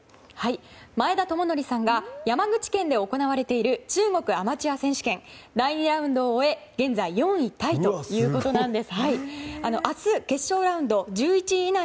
前田智徳さんが山口県で行われている中国アマチュア選手権第２ラウンドを終え緊急事態宣言が出されています